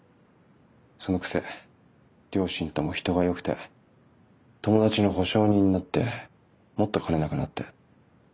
そのくせ両親とも人がよくて友達の保証人になってもっと金なくなって。